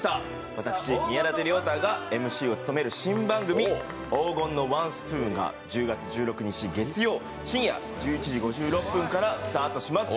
私、宮舘涼太がＭＣを務める新番組「黄金のワンスプーン！」が１０月１６日月曜深夜１１時５６分からスタートします。